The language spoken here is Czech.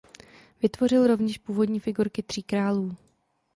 Vytvořil rovněž původní figurky Tří králů.